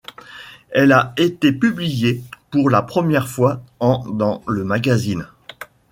Elle a été publiée pour la première fois en dans le magazine '.